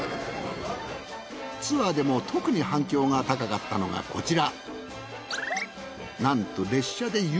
ツアーでも特に反響が高かったのがこちら。